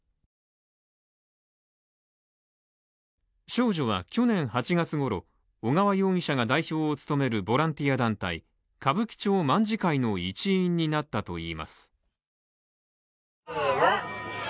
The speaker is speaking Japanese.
少女は去年８月ごろ、小川容疑者が代表を務めるボランティア団体歌舞伎町卍会の一員になったといいます。